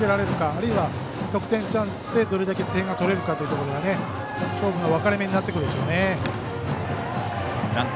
あるいは得点チャンスで点を取れるかというところが勝負の分かれ目になってくるでしょうね。